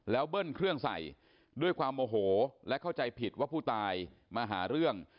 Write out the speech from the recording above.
แล้วเบิ้ลเครื่องใส่ด้วยความโมโหและเข้าใจผิดว่าผู้ตายมาหาเรื่อง